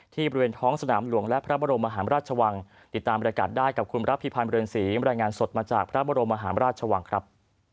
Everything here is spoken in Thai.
บริเวณท้องสนามหลวงและพระบรมมหาราชวังติดตามบริการได้กับคุณรับพิพันธ์เรือนศรีมรายงานสดมาจากพระบรมมหาราชวังครับ